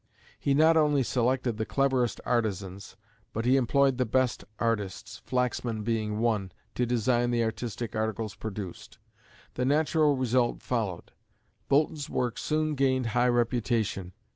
He not only selected the cleverest artisans, but he employed the best artists, Flaxman being one, to design the artistic articles produced. The natural result followed. Boulton's work soon gained high reputation.